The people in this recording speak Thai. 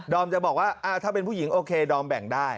จะบอกว่าถ้าเป็นผู้หญิงโอเคดอมแบ่งได้